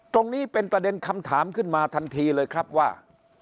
ตรงนี้เป็นประเด็นคำถามขึ้นมาทันทีเลยครับว่า